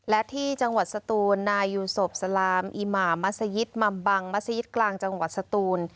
และที่จังหวัดสตูนนายยูศพสลามอิหมามัศยิตมัมบังมัศยิตกลางจังหวัดสตูน